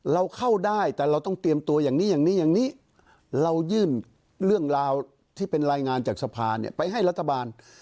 เราเข้าได้แต่เราต้องเตรียมตัวอย่างนี้อย่างนี้อย่างนี้เรายื่นเรื่องราวที่เป็นรายงานจากสภาเนี่ยไปให้รัฐบาล